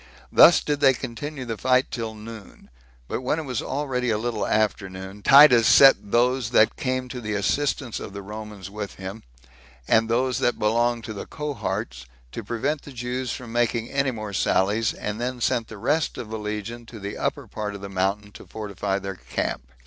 Thus did they continue the fight till noon; but when it was already a little after noon, Titus set those that came to the assistance of the Romans with him, and those that belonged to the cohorts, to prevent the Jews from making any more sallies, and then sent the rest of the legion to the upper part of the mountain, to fortify their camp.